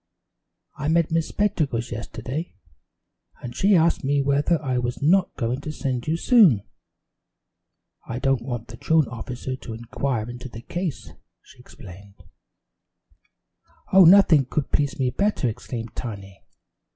I met Miss Spectacles yesterday, and she asked me whether I was not going to send you soon. 'I don't want the truant officer to inquire into the case,' she explained." "Oh, nothing could please me better!" exclaimed Tiny.